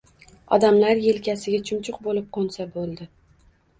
Odamlar yelkasiga chumchuq bo‘lib qo‘nsa bo‘ldi...